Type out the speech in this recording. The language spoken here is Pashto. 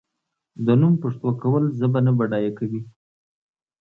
د نوم پښتو کول ژبه نه بډای کوي.